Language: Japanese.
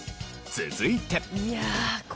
続いて。